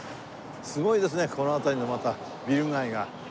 すごいですねこの辺りのまたビル街が。